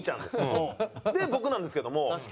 で僕なんですけども。